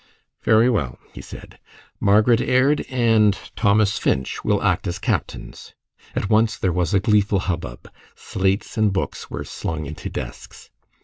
"Very well," he said; "Margaret Aird and Thomas Finch will act as captains." At once there was a gleeful hubbub. Slates and books were slung into desks.